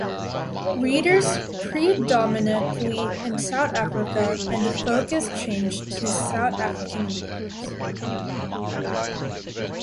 Readers predominately in South Africa and the focus changed to South African readers.